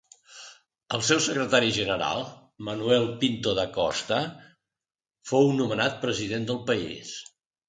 El seu secretari general Manuel Pinto da Costa fou nomenat president del país.